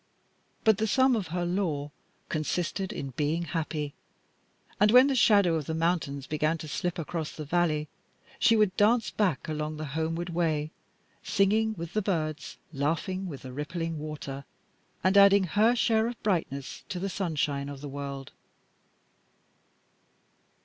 But the sum of her lore consisted in being happy; and when the shadow of the mountains began to slip across the valley, she would dance back along the homeward way, singing with the birds, laughing with the rippling water, and adding her share of brightness to the sunshine of the world.